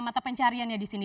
mata pencariannya di sini